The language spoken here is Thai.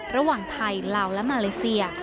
ระหว่างไทยลาวและมาเลเซีย